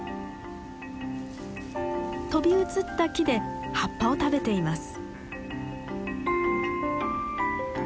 飛び移った木で葉っぱを食べています。